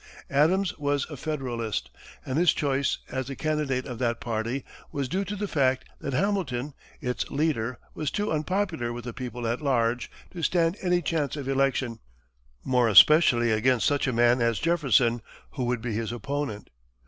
Adams was a Federalist, and his choice as the candidate of that party was due to the fact that Hamilton, its leader, was too unpopular with the people at large to stand any chance of election, more especially against such a man as Jefferson, who would be his opponent.